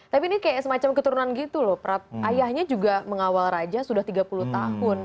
tapi ini kayak semacam keturunan gitu loh ayahnya juga mengawal raja sudah tiga puluh tahun